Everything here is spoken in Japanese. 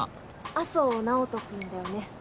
安生直人君だよね？